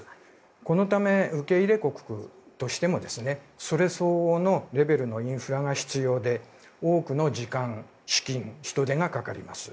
このため、受け入れ国としてもそれ相応のレベルのインフラが必要で多くの時間、資金、人手がかかります。